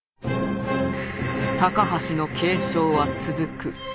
高橋の警鐘は続く。